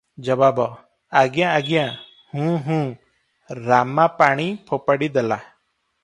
ଜବାବ - ଆଜ୍ଞା ଆଜ୍ଞା, ହୁଁ ହୁଁ, ରାମା ପାଣି ଫୋପାଡି ଦେଲା ।